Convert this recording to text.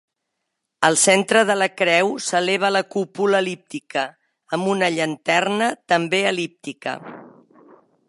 Al centre de la creu s'eleva la cúpula el·líptica amb una llanterna també el·líptica.